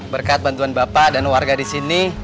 berkat bantuan bapak dan warga disini